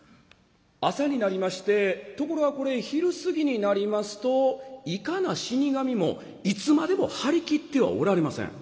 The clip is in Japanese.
朝になりましてところがこれ昼過ぎになりますといかな死神もいつまでも張り切ってはおられません。